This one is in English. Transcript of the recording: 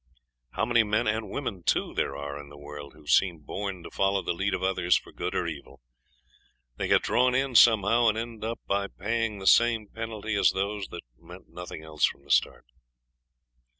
How many men, and women too, there are in the world who seem born to follow the lead of others for good or evil! They get drawn in somehow, and end by paying the same penalty as those that meant nothing else from the start.